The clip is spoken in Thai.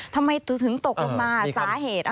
ทำไมถึงตกลงมาสาเหตุ